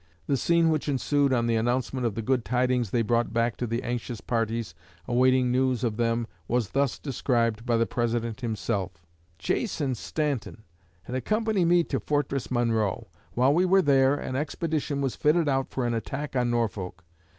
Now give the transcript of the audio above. The scene which ensued on the announcement of the good tidings they brought back to the anxious parties awaiting news of them was thus described by the President himself: "Chase and Stanton had accompanied me to Fortress Monroe. While we were there, an expedition was fitted out for an attack on Norfolk.